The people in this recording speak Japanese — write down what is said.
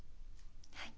はい。